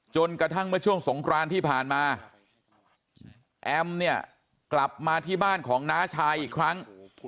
กระทั่งเมื่อช่วงสงครานที่ผ่านมาแอมเนี่ยกลับมาที่บ้านของน้าชายอีกครั้ง